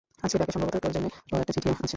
আজকের ডাকে, সম্ভবত, তোর জন্যে ও একটা চিঠি আছে।